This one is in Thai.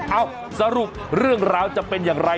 สรุปเรื่องราวจะเป็นอย่างไร